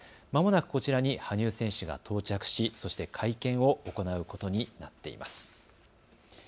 まもなくこちらに羽生選手が到着し、そして会見を行うことになっています。